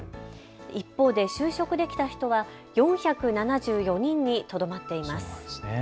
一方で就職できた人は４７４人にとどまっています。